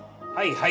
はい。